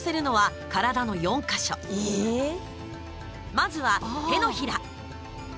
まずは、手のひら。